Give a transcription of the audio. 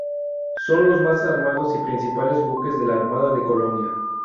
Son los más armados y principales buques de la Armada de Colombia.